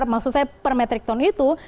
maksud saya per metric ton itu